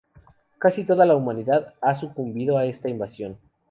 Casi toda la humanidad ha sucumbido a esta invasión.